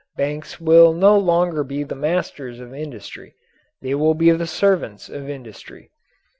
Banks will no longer be the masters of industry. They will be the servants of industry.